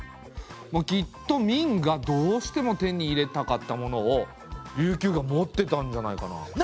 きっと明がどうしても手に入れたかったものを琉球が持ってたんじゃないかな？